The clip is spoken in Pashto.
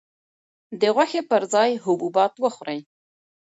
د غوښې پر ځای حبوبات وخورئ.